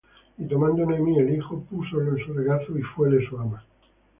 Y tomando Noemi el hijo, púsolo en su regazo, y fuéle su ama.